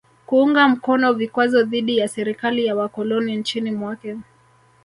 Kuunga mkono vikwazo dhidi ya serikali ya wakoloni nchini mwake